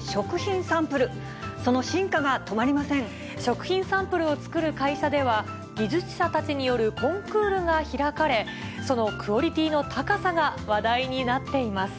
食品サンプルを作る会社では、技術者たちによるコンクールが開かれ、そのクオリティーの高さが話題になっています。